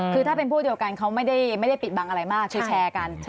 คือถ้าเป็นพวกเดียวกันเขาไม่ได้ปิดบังอะไรมากคือแชร์กัน